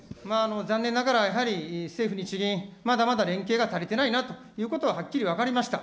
残念ながら、やはり政府・日銀、まだまだ連携が足りてないなということ、はっきり分かりました。